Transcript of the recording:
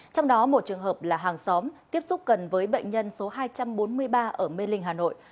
trong đó một trường hợp là hàng xóm tiếp xúc gần với bệnh nhân số hai trăm bốn mươi ba ở mê linh hà nội